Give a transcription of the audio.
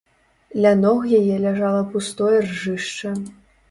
Ля ног яе ляжала пустое ржышча.